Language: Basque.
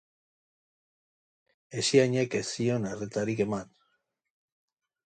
Asiainek ez zion arretarik eman.